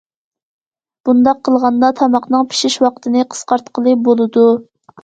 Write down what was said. بۇنداق قىلغاندا تاماقنىڭ پىشىش ۋاقتىنى قىسقارتقىلى بولىدۇ.